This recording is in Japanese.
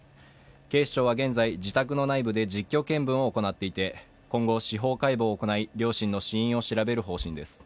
警視庁は現在自宅の内部で実況見分を行っていて、今後、司法解剖を行い、両親の死因を調べる方針です。